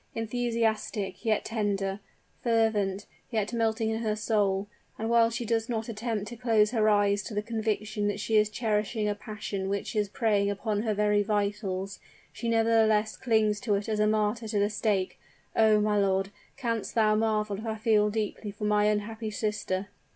Enthusiastic, yet tender; fervent, yet melting in her soul; and while she does not attempt to close her eyes to the conviction that she is cherishing a passion which is preying upon her very vitals, she nevertheless clings to it as a martyr to the stake! Oh! my lord, canst thou marvel if I feel deeply for my unhappy sister?"